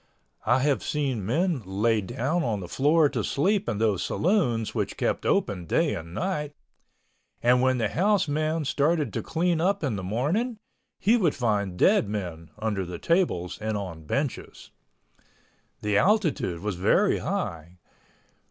I have seen men lay down on the floor to sleep in those saloons which kept open day and night, and when the house man started to clean up in the morning he would find dead men under the tables and on benches. The altitude was very high.